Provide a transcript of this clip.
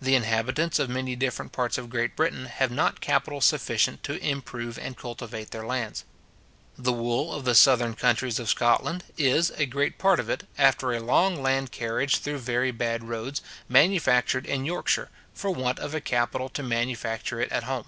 The inhabitants of many different parts of Great Britain have not capital sufficient to improve and cultivate all their lands. The wool of the southern counties of Scotland is, a great part of it, after a long land carriage through very bad roads, manufactured in Yorkshire, for want of a capital to manufacture it at home.